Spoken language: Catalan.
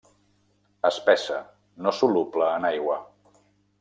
Espessa, no soluble en aigua.